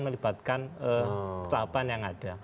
melibatkan kelapaan yang ada